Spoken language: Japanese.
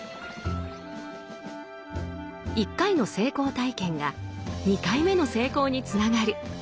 １回の成功体験が２回目の成功につながる。